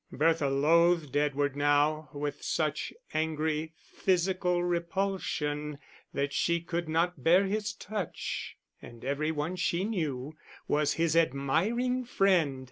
Bertha loathed Edward now with such angry, physical repulsion that she could not bear his touch; and every one she knew, was his admiring friend.